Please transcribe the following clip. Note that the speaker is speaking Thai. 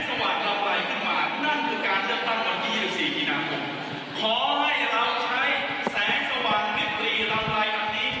จันโดชามาเป็นนายกุศมันตรีต่อสกัดการไปให้พระราชาวัคได้เป็นรัฐบาใต้